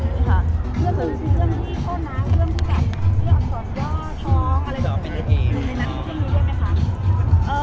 เรื่องที่โค้ดน้ำเรื่องที่อับสอบย่อช้องอะไรอย่างนั้นที่มีใช่ไหมคะ